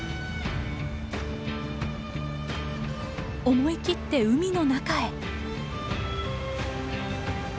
思い切って海の中へ。